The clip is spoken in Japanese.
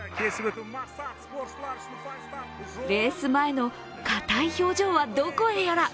レース前のかたい表情はどこへやら。